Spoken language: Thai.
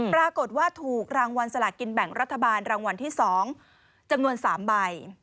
ปรากฏว่าถูกรางวัลสลากินแบ่งรัฐบาลรางวัลที่๒จำนวน๓ใบ